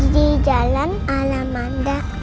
di jalan alamanda lima